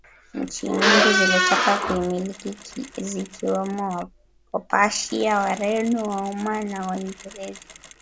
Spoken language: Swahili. Nchi nyingi zilitaka kuimiliki zikiwemo wapersia wareno waoman na waingereza